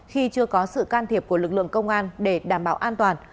khi chưa có sự can thiệp của lực lượng công an để đảm bảo an toàn